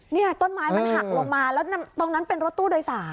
ต้นไม้มันหักลงมาแล้วตรงนั้นเป็นรถตู้โดยสาร